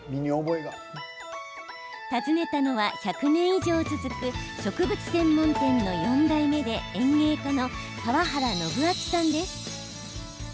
訪ねたのは、１００年以上続く植物専門店の４代目で園芸家の川原伸晃さんです。